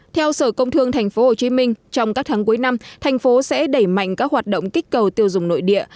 theo sở công thương tp hcm trong các tháng cuối năm thành phố sẽ đẩy mạnh các hoạt động kích cầu tiêu dùng nội địa